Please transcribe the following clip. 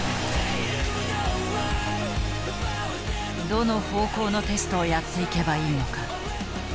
どの方向のテストをやっていけばいいのか。